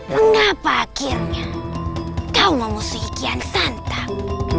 mengapa akhirnya kau memusuhi kian santak